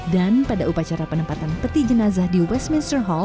dan pada upacara penempatan peti jenazah di westminster hall